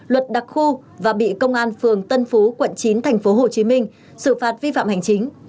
luật đặc khu và bị công an phường tân phú quận chín thành phố hồ chí minh xử phạt vi phạm hành chính